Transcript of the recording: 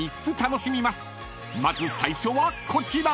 ［まず最初はこちら］